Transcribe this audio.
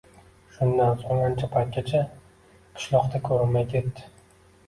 Shundan so`ng ancha paytgacha qishloqda ko`rinmay ketdi